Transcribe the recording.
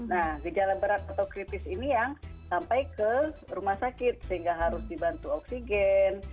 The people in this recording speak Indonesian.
nah gejala berat atau kritis ini yang sampai ke rumah sakit sehingga harus dibantu oksigen